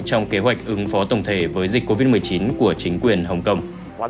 trong kế hoạch ứng phó tổng thể với dịch covid một mươi chín của chính quyền hồng kông